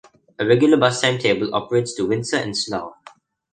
A regular bus timetable operates to Windsor and Slough.